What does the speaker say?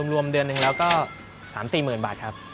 รวมเดือนหนึ่งแล้วก็๓๔๐๐๐บาทครับ